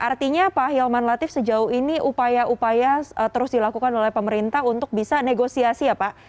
artinya pak hilman latif sejauh ini upaya upaya terus dilakukan oleh pemerintah untuk bisa negosiasi ya pak